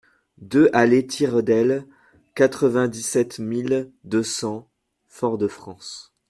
deux allée Tire d'Aile, quatre-vingt-dix-sept mille deux cents Fort-de-France